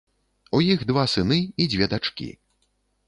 У іх два сыны і дзве дачкі.